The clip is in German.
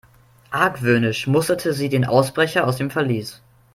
Argwöhnisch musterte sie den Ausbrecher aus dem Verlies.